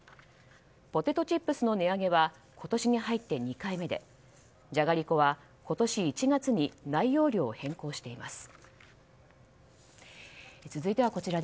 ポテトチップスの値上げは今年に入って２回目でじゃがりこは今年１月に内容量を変更しています。